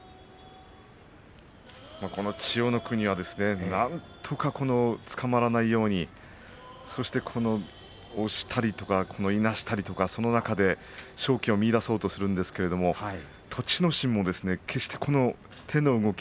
千代の国はですねなんとかつかまらないように押したり、いなしたりその中で勝機を見いだそうとするんですが栃ノ心も決して手の動き